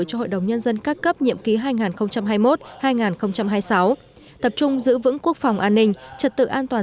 cho hội đồng nhân dân các cấp nhiệm ký hai nghìn hai mươi một hai nghìn hai mươi sáu tập trung giữ vững quốc phòng an ninh trật tự an toàn